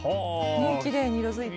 きれいに色づいて。